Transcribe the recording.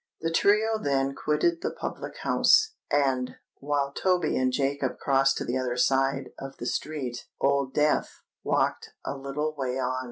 The trio then quitted the public house; and, while Toby and Jacob crossed to the other side of the street, Old Death walked a little way on.